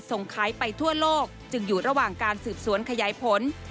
ส่งขายไปทั่วโลกจึงอยู่ระหว่างการสืบสวนขยายผล